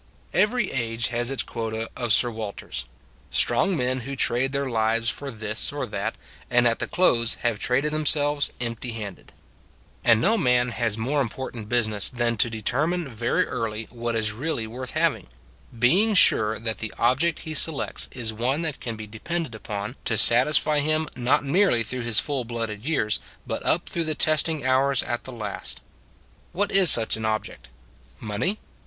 Every age has its quota of Sir Walters: strong men who trade their lives for this or that, and at the close have traded them selves empty handed. 149 150 It s a Good Old World And no man has more important busi ness than to determine very early what is really worth having being sure that the object he selects is one that can be de pended upon to satisfy him not merely through his full blooded years, but up through the testing hours at the last. What is such an object? Money?